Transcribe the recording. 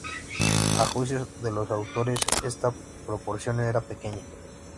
A juicio de los autores está proporción era pequeña.